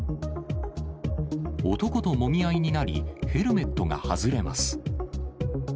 男ともみ合いになり、ヘルメットが外れます。